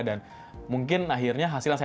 dan mungkin akhirnya hasil yang saya